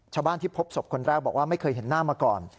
ที่พบศพคนแรกบอกว่าไม่เคยเห็นหน้ามาก่อน